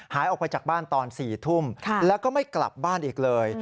หายออกไปจากบ้านตอน๔ทุ่มแล้วก็ไม่กลับบ้านอีกเลย